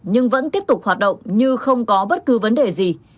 nhưng vẫn tiếp tục hoạt động như không có bất cứ vấn đề gì